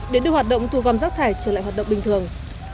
để đưa hoạt động thu gom rác thải trở lại hoạt động bình thường